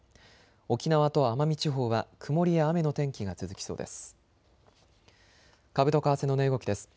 沖縄と奄美地方は曇りや雨の天気が続きそうです。